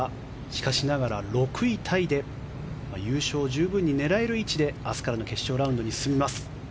しかしながら６位タイで優勝を十分に狙える位置で明日からの決勝ラウンドに進みます。